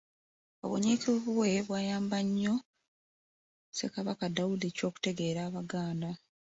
Obunyiikivu bwe bwayamba nnyo Ssekabaka Daudi Chwa okutegeera Abaganda.